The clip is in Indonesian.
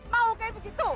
mau kayak begitu